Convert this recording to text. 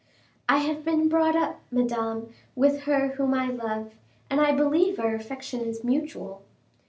"I have been brought up, Madame, with her whom I love, and I believe our affection is mutual."